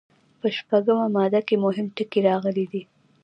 په شپږمه ماده کې مهم ټکي راغلي دي.